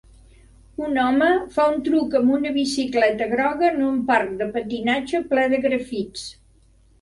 Un home fa un truc amb una bicicleta groga en un parc de patinatge ple de grafits.